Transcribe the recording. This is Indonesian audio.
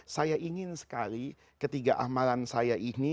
saya ingin sekali ketiga amalan saya ini